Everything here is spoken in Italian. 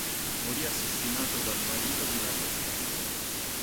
Morì assassinato dal marito di una paziente.